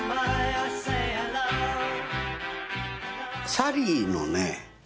サリーのね